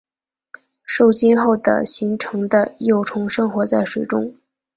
受精后的形成的幼虫生活在水中。